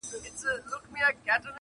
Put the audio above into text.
کټ یې مات کړ هر څه ولوېدل د لاندي!!